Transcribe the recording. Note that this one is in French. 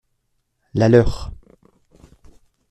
La leur.